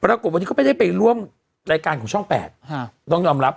ปรากฏวันนี้เขาไม่ได้ไปร่วมรายการของช่อง๘ต้องยอมรับ